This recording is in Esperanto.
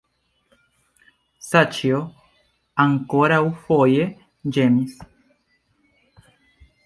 Saĉjo ankoraŭfoje ĝemis.